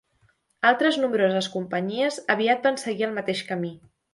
Altres nombroses companyies aviat van seguir el mateix camí.